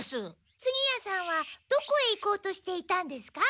次屋さんはどこへ行こうとしていたんですか？